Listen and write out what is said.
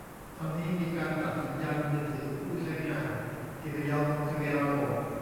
ตอนนี้มีการตัดสัญญาณมือถือผู้ใช้งานที่ไม่ยอมลงทะเบียนระบบ